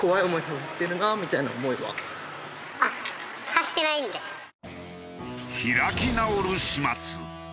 更に開き直る始末。